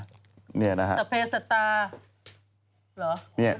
สเปสตา